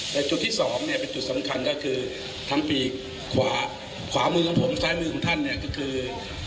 แต่จุดที่สองเนี่ยเป็นจุดสำคัญก็คือทั้งปีกขวาขวามือของผมซ้ายมือของท่านเนี่ยก็คือ